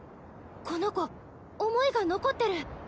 この子思いが残ってる。